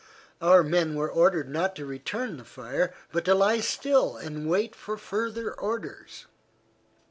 Our men were ordered not to return the fire but to lie still and wait for further orders.